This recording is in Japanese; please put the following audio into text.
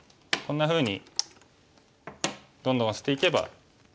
こんなふうにどんどんオシていけば。